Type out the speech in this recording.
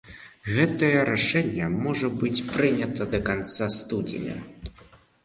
Гэтае рашэнне можа быць прынята да канца студзеня.